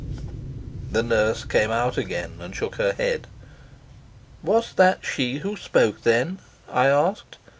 The nurse came out again and shook her head. "Was that she who spoke then?" I asked.